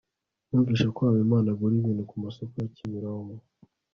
numvise ko habimana agura ibintu kumasoko yakimironko